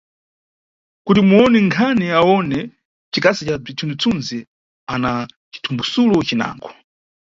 Kuti muwoni nkhani awone Cikasi ca bzithunzi-thunzi ana cithumbudzulo cinango.